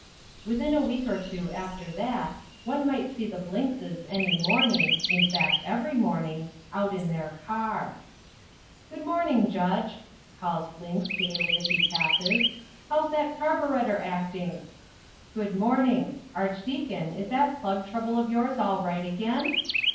Within a week or two after that one might see the Blinkses any morning, in fact every morning, out in their car! "Good morning, Judge!" calls Blinks gaily as he passes, "how's that carburettor acting? Good morning. Archdeacon, is that plug trouble of yours all right again?